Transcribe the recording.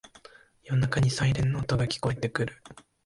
夜中にサイレンの音が聞こえてくる